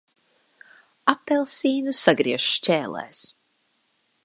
Apelsīnu sagriež šķēlēs.